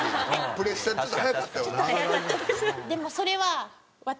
プレッシャーでちょっと早かったよな。